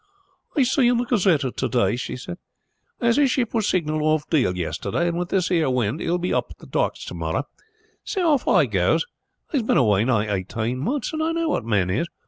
"I see in the Gazette of to day," she said, "as his ship was signaled off Deal yesterday, and with this ere wind he will be up at the docks to morrow; so off I goes. He's been away nigh eighteen months; and I know what men is.